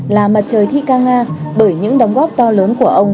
là mặt trời thi ca nga bởi những đóng góp to lớn của ông